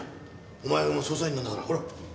お前はもう捜査員なんだから。